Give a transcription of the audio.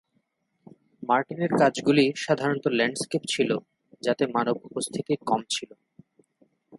মার্টিনের কাজগুলি সাধারণত ল্যান্ডস্কেপ ছিল যাতে মানব উপস্থিতি কম ছিল।